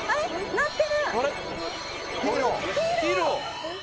鳴ってる。